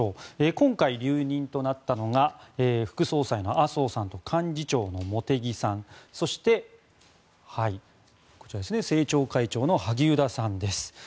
今回、留任となったのが副総裁の麻生さんと幹事長の茂木さんそして政調会長の萩生田さんです。